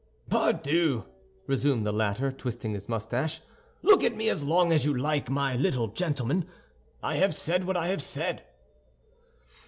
"Pardieu," resumed the latter, twisting his mustache, "look at me as long as you like, my little gentleman! I have said what I have said."